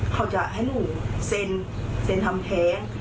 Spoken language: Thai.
เขาจะให้หนูเสนทำแทง